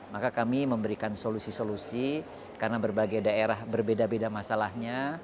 maka kami memberikan solusi solusi karena berbagai daerah berbeda beda masalahnya